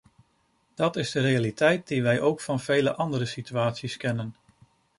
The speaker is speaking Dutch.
Dat is de realiteit die wij ook van vele andere situaties kennen.